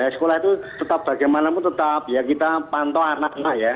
sekolah itu tetap bagaimanapun tetap ya kita pantau anak anak ya